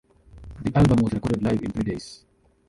The album was recorded live in three days.